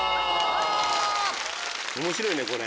面白いねこれ。